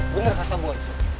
bener kata boy